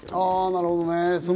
なるほどね。